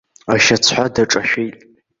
Ашьацҳәа даҿашәеит!